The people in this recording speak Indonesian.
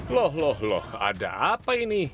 loh loh loh ada apa ini